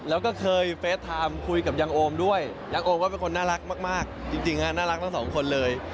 แล้วก็เคยเฟสไทม์คุยกับยังโอมด้วยยังโอมก็เป็นคนน่ารักมากจริงฮะน่ารักทั้งสองคนเลย